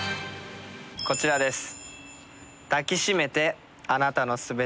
こちらです。